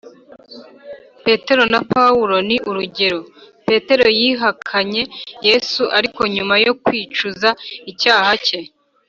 petero na paulo ni urugero.petero yihakanye yezu ariko nyuma yo kwicuza icyaha cye,